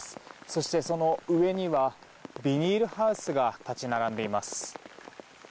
そして、その上にはビニールハウスが立ち並んでいます。